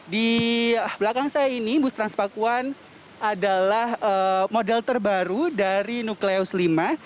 di belakang saya ini bus transpakuan adalah model terbaru dari nukleus v